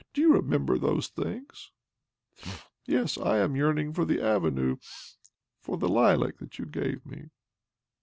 Do you remember those things? Yes, I am yearn ing for the avenue, and for the lilac that you gave me